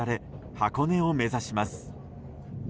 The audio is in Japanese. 箱根を目指します。